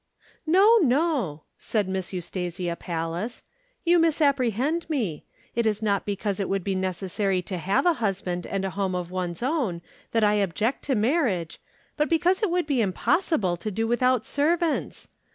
"No, no," said Miss Eustasia Pallas. "You misapprehend me. It is not because it would be necessary to have a husband and a home of one's own, that I object to marriage, but because it would be impossible to do without servants.